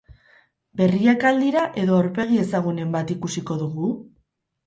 Berriak al dira edo aurpegi ezagunen bat ikusiko dugu?